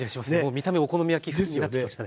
見た目お好み焼き風になってきましたね。